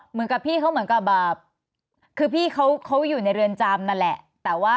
เหมือนกับพี่เขาเหมือนกับแบบคือพี่เขาอยู่ในเรือนจำนั่นแหละแต่ว่า